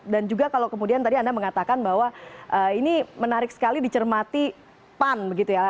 dan juga kalau kemudian tadi anda mengatakan bahwa ini menarik sekali dicermati pan begitu ya